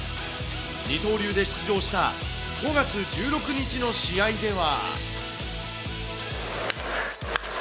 二刀流で出場した５月１６日の試合では。